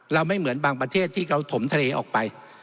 ไม่เหมือนบางประเทศที่เขาถมทะเลออกไป